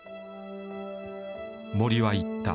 森は言った。